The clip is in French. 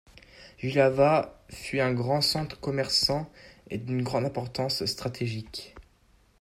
Jihlava fut un grand centre commerçant et d'une grande importance stratégique.